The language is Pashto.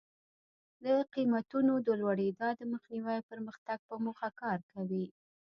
د قیمتونو د لوړېدا د مخنیوي او پرمختګ په موخه کار کوي.